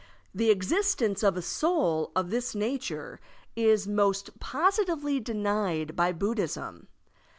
The existence of a soul of this nature is most positively denied by Buddhism.